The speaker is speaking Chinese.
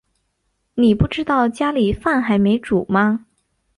妳不知道家里饭还没煮吗